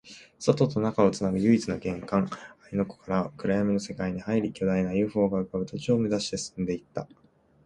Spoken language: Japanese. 外と中をつなぐ唯一の玄関、芦ノ湖から暗闇の世界に入り、巨大な ＵＦＯ が浮ぶ都庁を目指して進んでいった